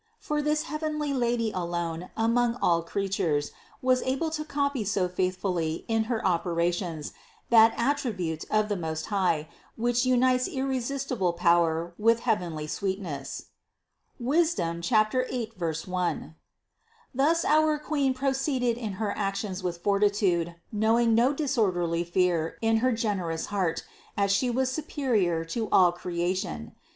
For this heavenly Lady alone among all creatures was able to copy so faithfully in her operations that attribute of the Most High, which unites irresistible power with heavenly sweetness (Wisdom 8, 1). Thus our Queen proceeded in her actions with fortitude, know ing no disorderly fear in her generous heart, as She was superior to all creation.